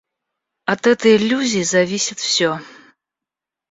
От этой иллюзии зависит все.